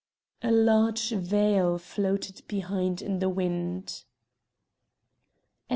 A large veil floated behind in the wind.